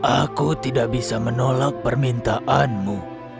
aku tidak bisa menolak permintaanmu